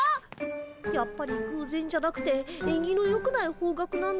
やっぱりぐうぜんじゃなくてえんぎのよくない方角なんだ。